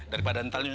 daripada ntar lu nusel